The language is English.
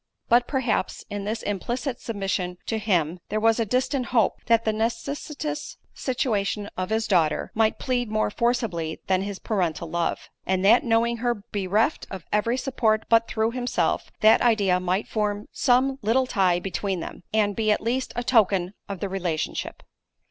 But, perhaps, in this implicit submission to him, there was a distant hope, that the necessitous situation of his daughter, might plead more forcibly than his parental love; and that knowing her bereft of every support but through himself, that idea might form some little tie between them, and be at least a token of the relationship.